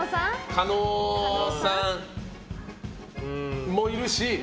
叶さんもいるし。